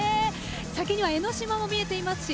先には江ノ島も見えていますし